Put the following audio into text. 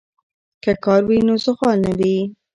که کار وي نو غال نه وي.